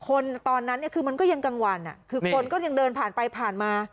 ตอนนั้นเนี่ยคือมันก็ยังกลางวันคือคนก็ยังเดินผ่านไปผ่านมา